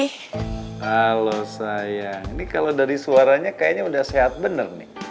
halo sayang ini kalau dari suaranya kayaknya udah sehat bener nih